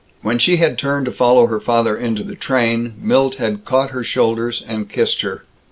When she had turned to follow her father into the train, Milt had caught her shoulders and kissed her.